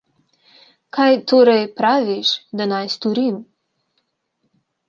Kaj torej praviš, da naj storim?